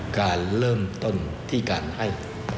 การเริ่มต้นที่การให้